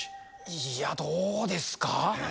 いや、どうですか？